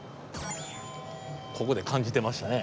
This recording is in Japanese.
ここで感じてましたね。